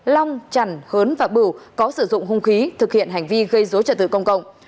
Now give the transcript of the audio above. long trần hớn và bù có sử dụng hung khí thực hiện hành vi gây rối trả tự công cộng